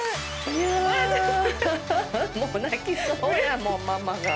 もう泣きそうやもんママが。